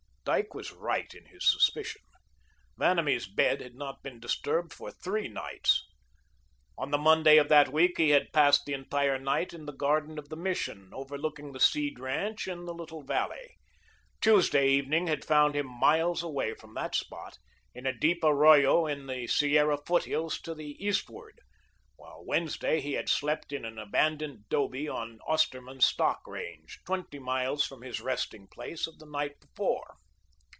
Dyke was right in his suspicion. Vanamee's bed had not been disturbed for three nights. On the Monday of that week he had passed the entire night in the garden of the Mission, overlooking the Seed ranch, in the little valley. Tuesday evening had found him miles away from that spot, in a deep arroyo in the Sierra foothills to the eastward, while Wednesday he had slept in an abandoned 'dobe on Osterman's stock range, twenty miles from his resting place of the night before.